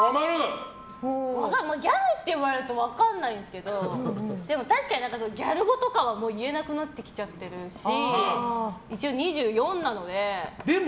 ギャルって言われると分かんないんですけどでも確かにギャル語とかは言えなくなってきちゃってるしでも、